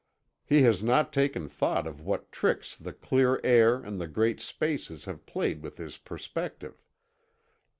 He has not taken thought of what tricks the clear air and the great spaces have played with his perspective.